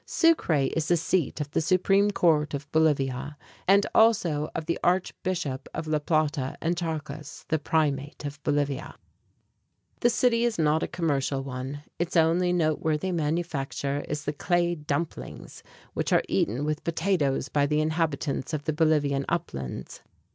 Sucre is the seat of the supreme court of Bolivia, and also of the archbishop of La Plata and Charcas, the primate of Bolivia. The city is not a commercial one. Its only noteworthy manufacture is the "clay dumplings" which are eaten with potatoes by the inhabitants of the Bolivian uplands.